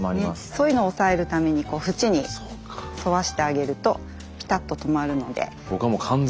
そういうのを抑えるために縁に沿わしてあげるとピタッと止まるので。